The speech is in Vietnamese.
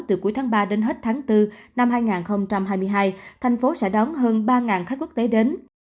từ cuối tháng ba đến hết tháng bốn năm hai nghìn hai mươi hai thành phố sẽ đón hơn ba khách quốc tế đến